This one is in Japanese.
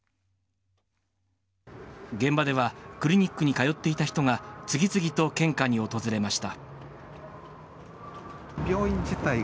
現場ではクリニックに通っていた人が次々と献花に訪れました。